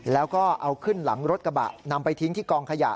แล้วก็เอาขึ้นหลังรถกระบะนำไปทิ้งที่กองขยะ